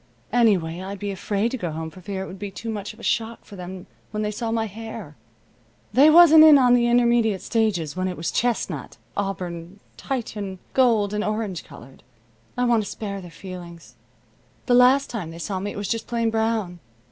Anyway, I'd be afraid to go home for fear it would be too much of a shock for them when they saw my hair. They wasn't in on the intermediate stages when it was chestnut, auburn, Titian, gold, and orange colored. I want to spare their feelings. The last time they saw me it was just plain brown.